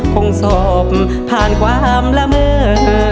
คงสอบผ่านความละเมอ